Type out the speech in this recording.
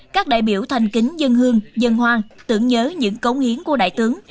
các đại biểu thành kính dân hương dân hoa tưởng nhớ những cống hiến của đại tướng